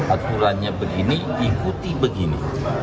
aturannya begini ikuti begini